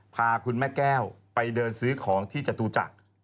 พาคุณแม่แก้วไปเดินซื้อของที่จตุจักร